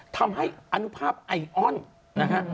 ทำให้อนุภาพไออนนะฮะ